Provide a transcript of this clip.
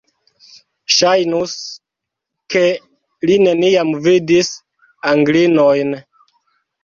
Ŝajnus, ke li neniam vidis Anglinojn!